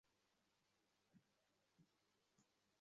সে আর তোমার মুখের সামনে বলব না!